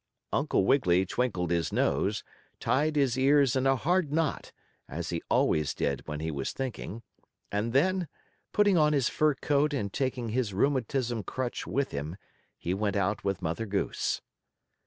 Uncle Wiggily twinkled his nose, tied his ears in a hard knot, as he always did when he was thinking, and then, putting on his fur coat and taking his rheumatism crutch with him, he went out with Mother Goose.